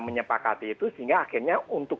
menyepakati itu sehingga akhirnya untuk